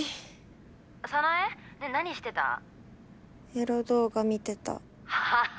エロ動画見てたはぁ？